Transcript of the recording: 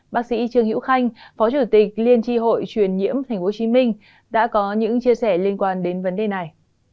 bác sĩ trương hữu khanh phó chủ tịch liên tri hội truyền nhiễm tp hcm đã có những chia sẻ liên quan đến vấn đề này